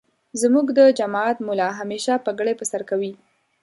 زمونږ دجماعت ملا همیشه پګړی پرسرکوی.